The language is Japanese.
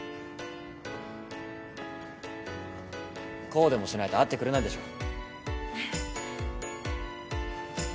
こうでもしないと会ってくれないでしょ？